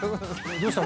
どうした？